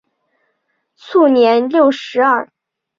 卒年六十二。